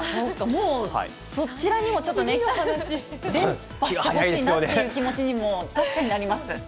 もう、そちらにもちょっとね、連覇してほしいなという気持ちにも確かになります。